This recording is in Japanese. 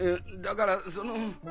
だからその。